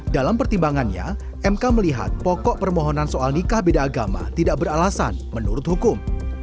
dalam pertimbangannya mk melihat pokok permohonan soal nikah beda agama tidak beralasan menurut hukum